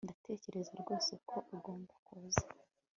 Ndatekereza rwose ko ugomba kuza